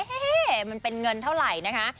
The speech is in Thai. มันเป็นเงินเท่าไหร่นะคะ